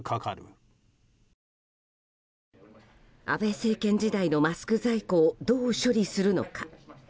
安倍政権時代のマスク在庫をどう処理するのか。